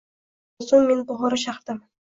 Bir zumdan so‘ng men Buxoro shahridaamn